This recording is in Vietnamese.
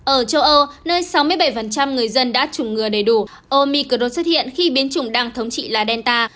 ở châu âu nơi sáu mươi bảy người dân đã chủng ngừa đầy đủ omicros hiện khi biến chủng đang thống trị là delta